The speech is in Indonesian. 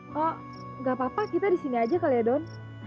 gak apa apa kita disini aja kalau ya don